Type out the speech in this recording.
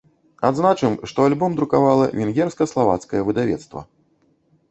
Адзначым, што альбом друкавала венгерска-славацкае выдавецтва.